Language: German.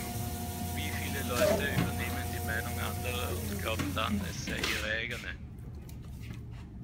Wie viele Leute übernehmen die Meinung anderer und glauben dann, es sei ihre eigene?